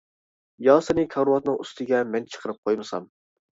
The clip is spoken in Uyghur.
يا سىنى كارىۋاتنىڭ ئۈستىگە مەن چىقىرىپ قويمىسام!